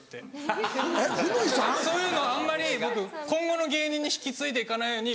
そういうのあんまり僕今後の芸人に引き継いで行かないように。